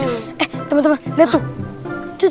eh temen temen lihat tuh